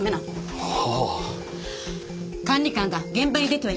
はあ。